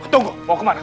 tunggu mau kemana kak